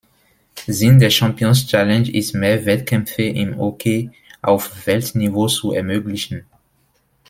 Sinn der Champions Challenge ist mehr Wettkämpfe im Hockey auf Weltniveau zu ermöglichen.